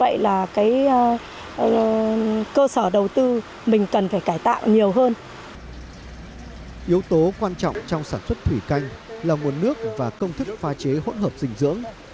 yếu tố quan trọng trong sản xuất thủy canh là nguồn nước và công thức pha chế hỗn hợp dinh dưỡng